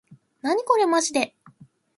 なにこれまじで